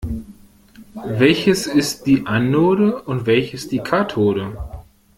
Welches ist die Anode und welches die Kathode?